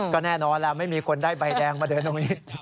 ก็แน่นอนแล้วไม่มีคนได้ใบแดงมาเดินตรงนี้